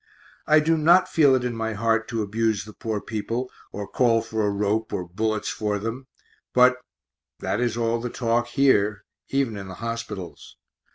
I do not feel it in my heart to abuse the poor people, or call for a rope or bullets for them, but, that is all the talk here, even in the hospitals.